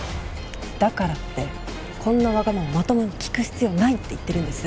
だからってこんなわがまままともに聞く必要ないって言ってるんです。